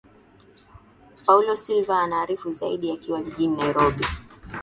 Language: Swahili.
paulo silva anaarifu zaidi akiwa jijini nairobi